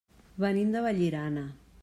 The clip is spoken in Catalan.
Venim de Vallirana.